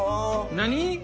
何？